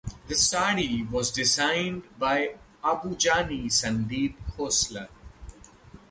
The sari was designed by Abu Jani Sandeep Khosla.